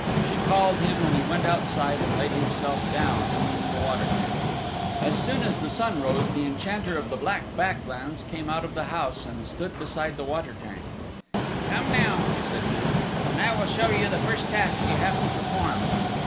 She called him and he went outside and laid himself down in the water tank. As soon as the sun rose the Enchanter of the Black Back Lands came out of the house and stood beside the water tank. "Come now," said he, "and I will show you the first task you have to perform."